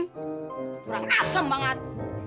kurang asem banget